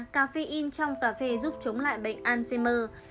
cà phê in trong cà phê giúp chống lại bệnh alzhimer